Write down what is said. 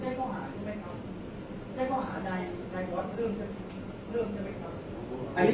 แต่ว่าไม่มีปรากฏว่าถ้าเกิดคนให้ยาที่๓๑